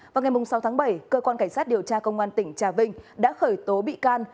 vào ngày sáu tháng bảy cơ quan cảnh sát điều tra công an tỉnh trà vinh đã khởi tố bị can